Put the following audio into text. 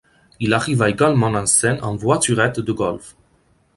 Il arriva également en scène en voiturette de golf.